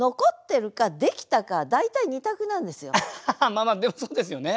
まあまあでもそうですよね